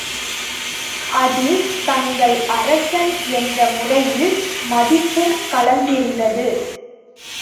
அதில் தங்கள் அரசன் என்ற முறையில் மதிப்பும் கலந்திருந்தது.